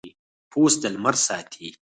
پوست د لمر ساتي.